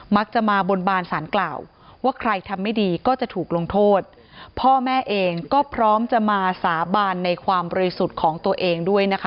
มักจะมาบนบานสารกล่าวว่าใครทำไม่ดีก็จะถูกลงโทษพ่อแม่เองก็พร้อมจะมาสาบานในความบริสุทธิ์ของตัวเองด้วยนะคะ